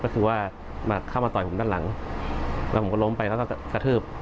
ก็คือว่าเข้ามาต่อยผมด้านหลังแล้วผมก็ล้มไปแล้วก็กระทืบ